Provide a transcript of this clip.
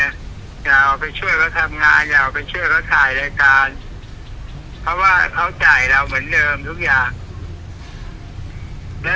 จะเอาไปช่วยเขาทำงานอย่าเอาไปช่วยเขาถ่ายรายการเพราะว่าเขาจ่ายเราเหมือนเดิมทุกอย่าง